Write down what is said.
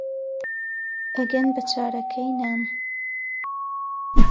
ئەگەن بە چارەکەی نان